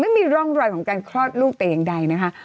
ไม่มีร่องรอยของการคลอดลูกแต่อย่างใดนะคะ